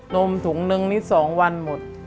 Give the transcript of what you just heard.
นมถุงหนึ่งนิดสองวันหมด